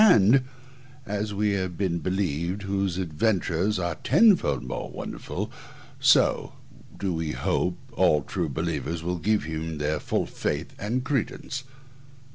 And, as we have been believed, whose adventures are tenfold more wonderful, so do we hope all true believers will give him their full faith and credence.